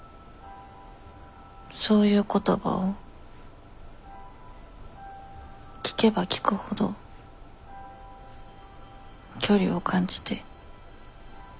そういう言葉を聞けば聞くほど距離を感じて。